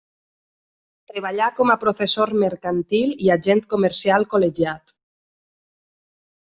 Treballà com a professor mercantil i agent comercial col·legiat.